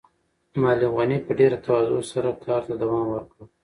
معلم غني په ډېره تواضع سره کار ته دوام ورکړ.